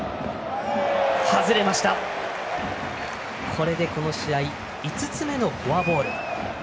これでこの試合５つ目のフォアボール。